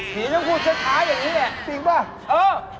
ผีต้องพูดชะท้ายอย่างนี้จริงป่ะเออ